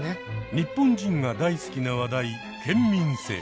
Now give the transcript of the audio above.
日本人が大好きな話題「県民性」。